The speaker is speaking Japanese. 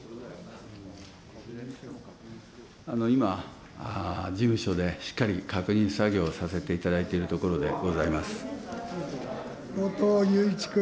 今、事務所でしっかり確認作業をさせていただいているところでござい後藤祐一君。